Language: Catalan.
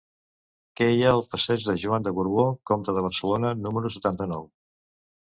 Què hi ha al passeig de Joan de Borbó Comte de Barcelona número setanta-nou?